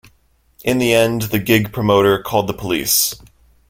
In the end, the gig promoter called the police.